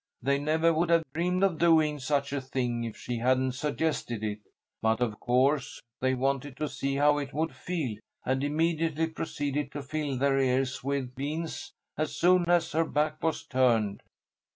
They never would have dreamed of doing such a thing if she hadn't suggested it, but, of course, they wanted to see how it would feel, and immediately proceeded to fill their ears with beans as soon as her back was turned."